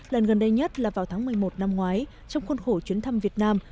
lần gần đây nhất là vào tháng một mươi một năm ngoái trong khuôn khổ chuyến thăm việt nam